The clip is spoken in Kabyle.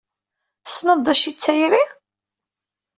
Tessneḍ d acu i d tayri?